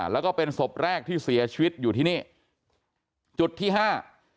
แล้วก็เป็นศพแรกที่เสียชีวิตอยู่ที่นี่จุดที่ห้า